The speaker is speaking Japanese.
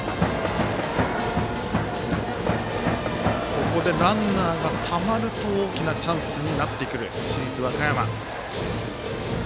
ここでランナーがたまると大きなチャンスになってくる市立和歌山。